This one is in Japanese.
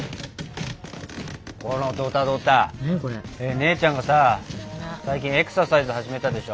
姉ちゃんがさ最近エクササイズ始めたでしょ？